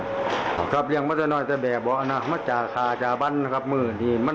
ว่าโบมี่ยังไหนก็จะตั๋วกู